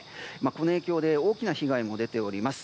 この影響で大きな被害も出ております。